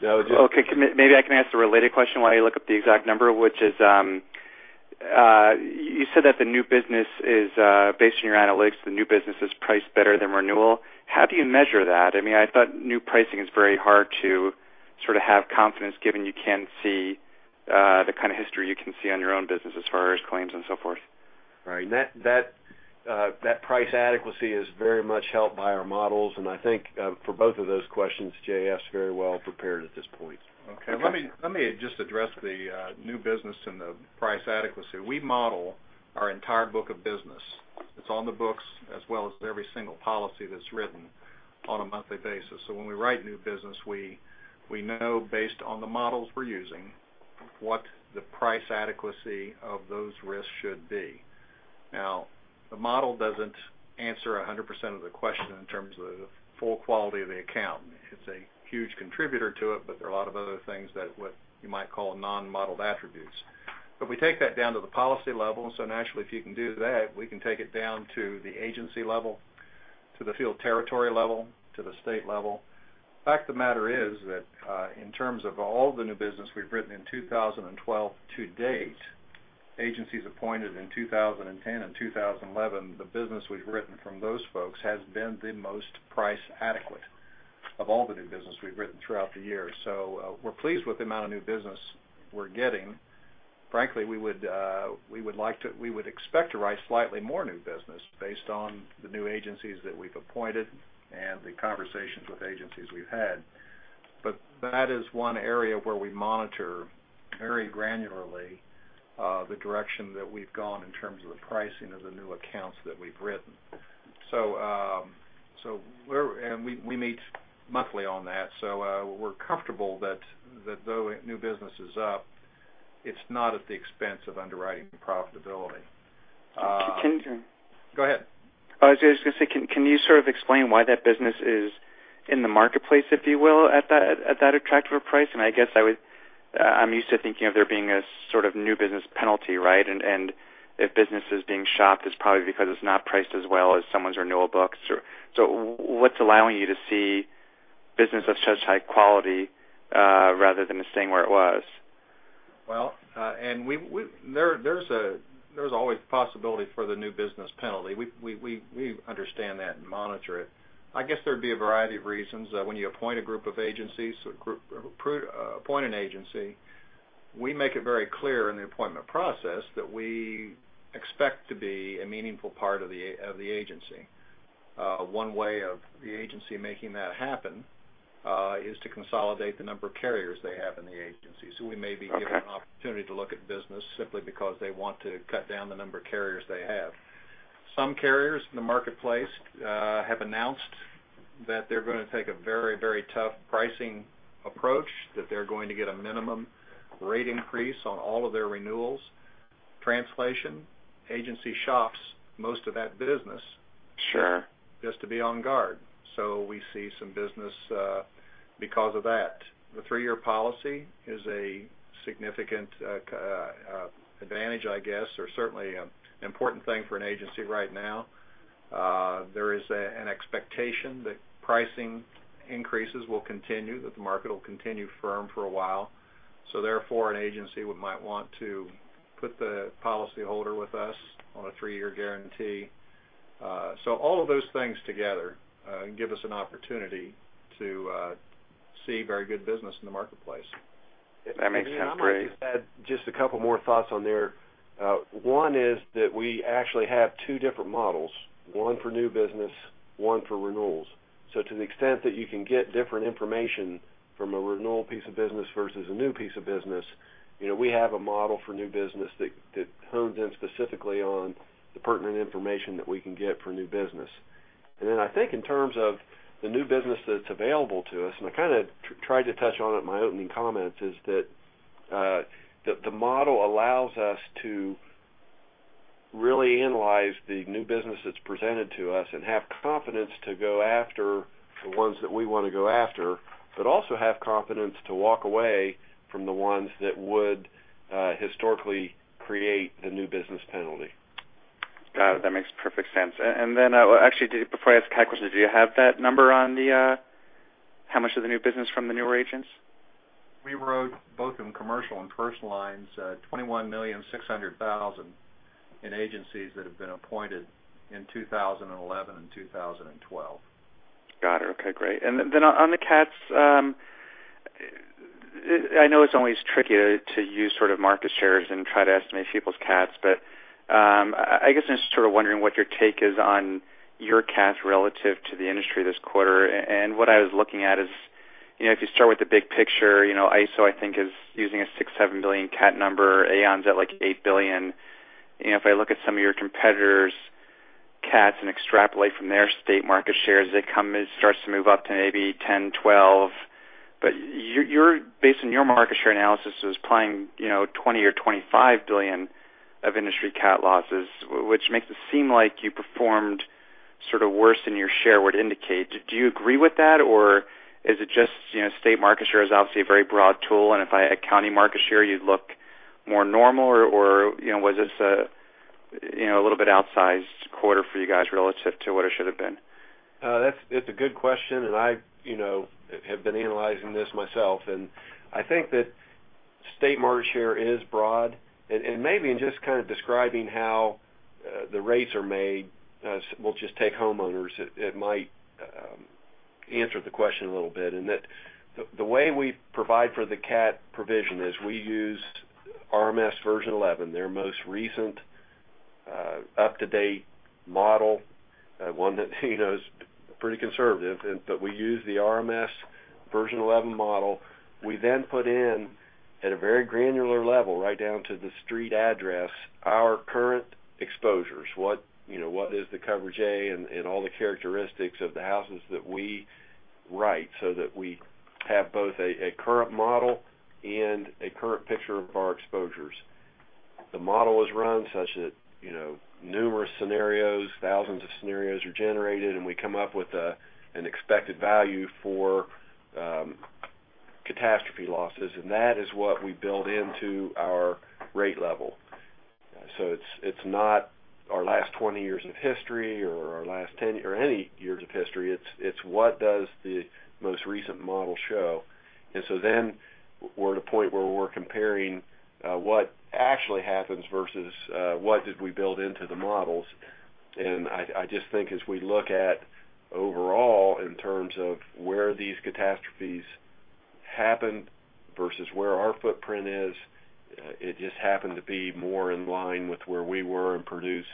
Okay. Maybe I can ask a related question while you look up the exact number, which is, you said that the new business is based on your analytics, the new business is priced better than renewal. How do you measure that? I thought new pricing is very hard to sort of have confidence given you can't see the kind of history you can see on your own business as far as claims and so forth. Right. That price adequacy is very much helped by our models. I think for both of those questions, JF's very well prepared at this point. Okay. Let me just address the new business and the price adequacy. We model our entire book of business. It's on the books as well as every single policy that's written on a monthly basis. When we write new business, we know based on the models we're using, what the price adequacy of those risks should be. Now, the model doesn't answer 100% of the question in terms of the full quality of the account. It's a huge contributor to it, there are a lot of other things that what you might call non-modeled attributes. We take that down to the policy level. Naturally, if you can do that, we can take it down to the agency level, to the field territory level, to the state level. Fact of the matter is that, in terms of all the new business we've written in 2012 to date, agencies appointed in 2010 and 2011, the business we've written from those folks has been the most price adequate of all the new business we've written throughout the year. We're pleased with the amount of new business we're getting. Frankly, we would expect to write slightly more new business based on the new agencies that we've appointed and the conversations with agencies we've had. That is one area where we monitor very granularly, the direction that we've gone in terms of the pricing of the new accounts that we've written. We meet monthly on that. We're comfortable that though new business is up, it's not at the expense of underwriting profitability. Can- Go ahead. I was just going to say, can you sort of explain why that business is in the marketplace, if you will, at that attractive a price? I guess I'm used to thinking of there being a sort of new business penalty, right? If business is being shopped, it's probably because it's not priced as well as someone's renewal books. What's allowing you to see business of such high quality, rather than it staying where it was? Well, there's always possibility for the new business penalty. We understand that and monitor it. I guess there'd be a variety of reasons that when you appoint a group of agencies or appoint an agency, we make it very clear in the appointment process that we expect to be a meaningful part of the agency. One way of the agency making that happen, is to consolidate the number of carriers they have in the agency. We may be given an opportunity to look at business simply because they want to cut down the number of carriers they have. Some carriers in the marketplace, have announced that they're going to take a very tough pricing approach, that they're going to get a minimum rate increase on all of their renewals. Translation, agency shops, most of that business. Sure Just to be on guard. We see some business, because of that. The three-year policy is a significant advantage, I guess, or certainly an important thing for an agency right now. There is an expectation that pricing increases will continue, that the market will continue firm for a while. Therefore, an agency might want to put the policy holder with us on a three-year guarantee. All of those things together give us an opportunity to see very good business in the marketplace. That makes sense. Great. If I might just add a couple more thoughts on there. One is that we actually have two different models, one for new business, one for renewals. To the extent that you can get different information from a renewal piece of business versus a new piece of business, we have a model for new business that hones in specifically on the pertinent information that we can get for new business. Then I think in terms of the new business that's available to us, and I kind of tried to touch on it in my opening comments, is that the model allows us to really analyze the new business that's presented to us and have confidence to go after the ones that we want to go after, but also have confidence to walk away from the ones that would historically create the new business penalty. Got it. That makes perfect sense. Then, actually, before I ask a question, do you have that number on how much of the new business from the newer agents? We wrote, both in commercial and personal lines, $21,600,000 in agencies that have been appointed in 2011 and 2012. Got it. Okay, great. Then on the cats, I know it's always tricky to use sort of market shares and try to estimate people's cats, but I guess I'm just sort of wondering what your take is on your cats relative to the industry this quarter. What I was looking at is, if you start with the big picture, ISO, I think, is using a $6 billion-$7 billion cat number. Aon's at like $8 billion. If I look at some of your competitors' cats and extrapolate from their state market shares, it starts to move up to maybe $10 billion-$12 billion. Based on your market share analysis is implying $20 billion or $25 billion of industry cat losses, which makes it seem like you performed sort of worse than your share would indicate. Do you agree with that, or is it just state market share is obviously a very broad tool, and if I had county market share, you'd look more normal, or was this a little bit outsized quarter for you guys relative to what it should have been? That's a good question. I have been analyzing this myself, and I think that state market share is broad. Maybe in just kind of describing how the rates are made, we'll just take homeowners, it might answer the question a little bit in that the way we provide for the cat provision is we use RMS version 11, their most recent, up-to-date model, one that is pretty conservative. We use the RMS version 11 model. We put in at a very granular level, right down to the street address, our current exposures. What is the coverage A and all the characteristics of the houses that we write so that we have both a current model and a current picture of our exposures. The model is run such that numerous scenarios, thousands of scenarios are generated, and we come up with an expected value for catastrophe losses, and that is what we build into our rate level. It's not our last 20 years of history or our last 10 or any years of history. It's what does the most recent model show. We're at a point where we're comparing what actually happens versus what did we build into the models. I just think as we look at overall in terms of where these catastrophes happened versus where our footprint is, it just happened to be more in line with where we were and produced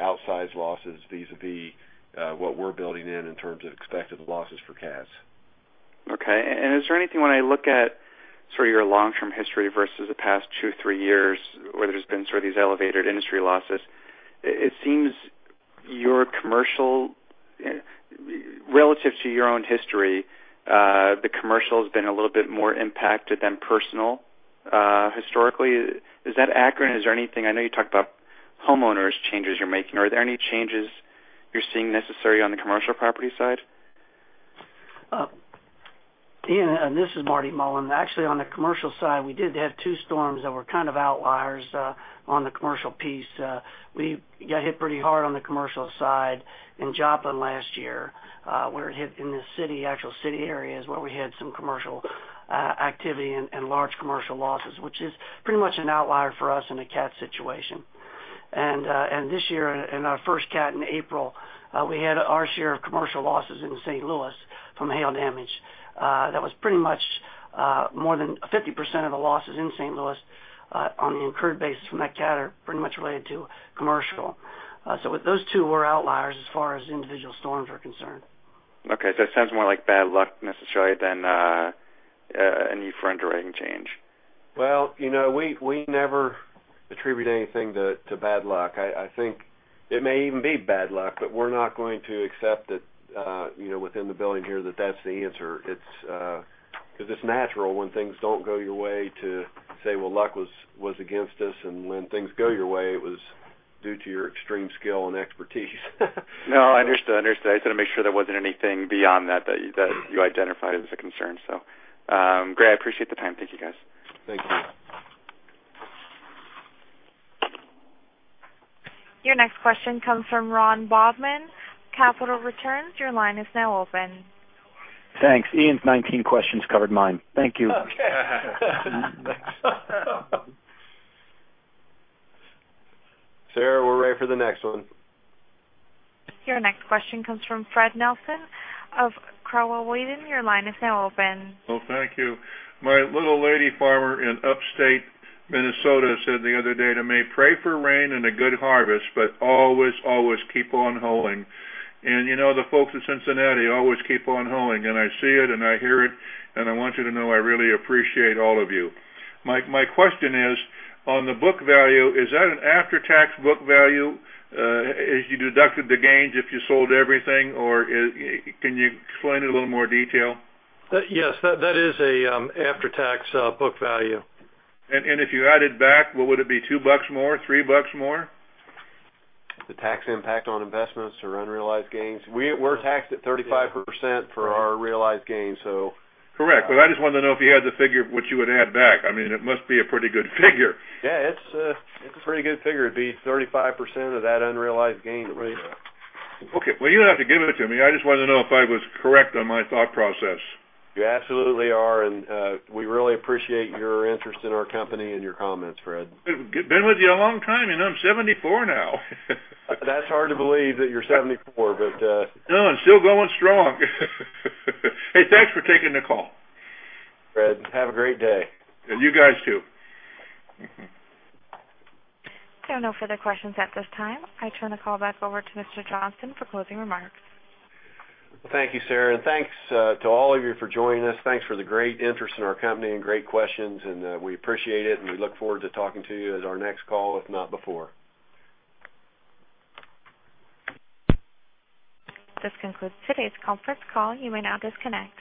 outsized losses vis-a-vis what we're building in terms of expected losses for cats. Okay. Is there anything when I look at sort of your long-term history versus the past two, three years where there's been sort of these elevated industry losses, it seems your commercial, relative to your own history, the commercial has been a little bit more impacted than personal historically. Is that accurate? Is there anything, I know you talked about homeowners changes you're making, are there any changes you're seeing necessary on the commercial property side? Ian, this is Marty Mullen. On the commercial side, we did have two storms that were kind of outliers on the commercial piece. We got hit pretty hard on the commercial side in Joplin last year, where it hit in the city, actual city areas where we had some commercial activity and large commercial losses, which is pretty much an outlier for us in a cat situation. This year, in our first cat in April, we had our share of commercial losses in St. Louis from hail damage. That was pretty much more than 50% of the losses in St. Louis on the incurred basis from that cat are pretty much related to commercial. Those two were outliers as far as individual storms are concerned. Okay. It sounds more like bad luck necessarily than a new front-ending change. Well, we never attribute anything to bad luck. I think it may even be bad luck, but we're not going to accept it within the building here that that's the answer. It's natural when things don't go your way to say, well, luck was against us, and when things go your way, it was due to your extreme skill and expertise. No, understood. I just had to make sure there wasn't anything beyond that that you identified as a concern. Great, I appreciate the time. Thank you, guys. Thank you. Your next question comes from Ron Bobman, Capital Returns. Your line is now open. Thanks. Ian's 19 questions covered mine. Thank you. Sarah, we're ready for the next one. Your next question comes from Fred Nelson of Crowell Weedon. Your line is now open. Oh, thank you. My little lady farmer in upstate Minnesota said the other day to me, pray for rain and a good harvest, but always keep on hoeing. The folks in Cincinnati always keep on hoeing. I see it and I hear it, and I want you to know I really appreciate all of you. My question is on the book value, is that an after-tax book value as you deducted the gains if you sold everything? Can you explain it in a little more detail? Yes. That is an after-tax book value. If you added back, what would it be two bucks more, three bucks more? The tax impact on investments or unrealized gains? We're taxed at 35% for our realized gains. Correct. I just wanted to know if you had the figure what you would add back. It must be a pretty good figure. Yeah, it's a pretty good figure. It'd be 35% of that unrealized gain rate. Okay. Well, you don't have to give it to me. I just wanted to know if I was correct on my thought process. You absolutely are, we really appreciate your interest in our company and your comments, Fred. I've been with you a long time, and I'm 74 now. That's hard to believe that you're 74. No, I'm still going strong. Hey, thanks for taking the call. Fred, have a great day. You guys, too. There are no further questions at this time. I turn the call back over to Mr. Johnston for closing remarks. Thank you, Sarah. Thanks to all of you for joining us. Thanks for the great interest in our company and great questions, and we appreciate it, and we look forward to talking to you as our next call, if not before. This concludes today's conference call. You may now disconnect.